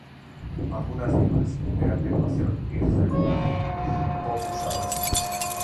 Vacunas vivas, de atenuación irregular, poco usadas.